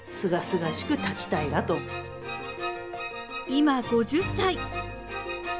今、５０歳。